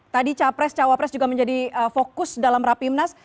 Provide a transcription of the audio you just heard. tadi capres cawapres juga menjadi fokus dalam rapimnas